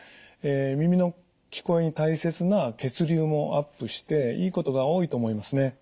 耳の聞こえに大切な血流もアップしていいことが多いと思いますね。